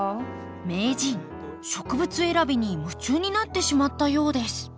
名人植物選びに夢中になってしまったようです。